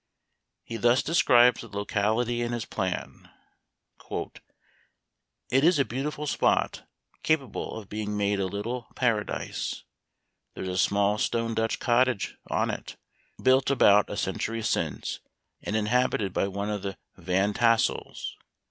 He thus describes the locality and his plan :" It is a beautiful spot, capable of being made a little paradise. There is a small stone Dutch cottage on it, built about a century since, and inhabited by one of the Van Tassels.